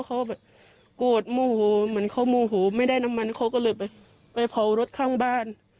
เขาแบบโกรธโมโหเหมือนเขาโมโหไม่ได้น้ำมันเขาก็เลยไปไปเผารถข้างบ้าน